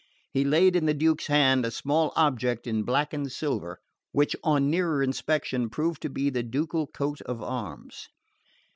He laid in the Duke's hand a small object in blackened silver, which on nearer inspection proved to be the ducal coat of arms.